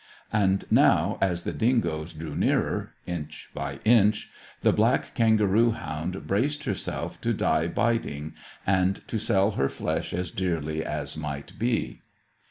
And now, as the dingoes drew nearer, inch by inch, the black kangaroo hound braced herself to die biting, and to sell her flesh as dearly as might be.